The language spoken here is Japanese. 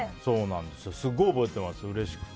すごい覚えてます、うれしくて。